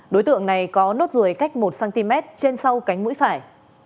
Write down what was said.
đối tượng này có nốt ruồi cách một cm trên sau cánh mũi phải